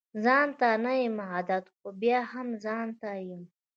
ځانته نه يم عادت خو بيا هم ځانته يم